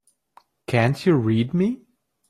Can't you read me?